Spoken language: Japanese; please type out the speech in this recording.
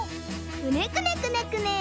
くねくねくねくね。